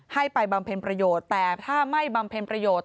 ไปบำเพ็ญประโยชน์แต่ถ้าไม่บำเพ็ญประโยชน์